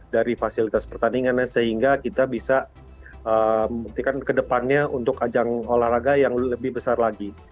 dari fasilitas pertandingannya sehingga kita bisa membuktikan kedepannya untuk ajang olahraga yang lebih besar lagi